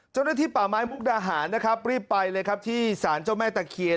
เจ้าหน้าที่ป่าไม้มุกดาหารนะครับรีบไปเลยครับที่สารเจ้าแม่ตะเคียน